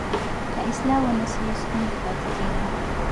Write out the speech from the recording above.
که اصلاح ونه سي ستونزې پاتې کېږي.